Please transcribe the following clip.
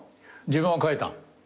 自分は書いた？